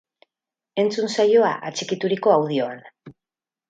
Entzun saioa atxikituriko audioan!